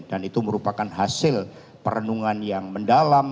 dan itu merupakan hasil perenungan yang mendalam